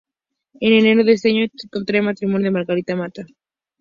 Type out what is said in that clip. En enero de ese año contrae matrimonio con Margarita Mata.